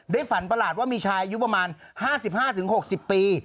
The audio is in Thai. ฝันประหลาดว่ามีชายอายุประมาณ๕๕๖๐ปี